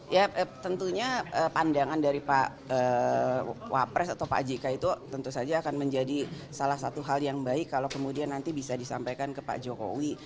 ya tentunya pandangan dari pak wapres atau pak jk itu tentu saja akan menjadi salah satu hal yang baik kalau kemudian nanti bisa disampaikan ke pak jokowi